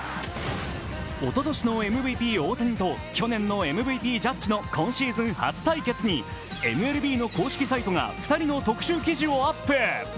おととしのＭＶＰ・大谷と去年のＭＶＰ・ジャッジの今シーズン初対決にＭＬＢの公式サイトが２人の特集記事をアップ。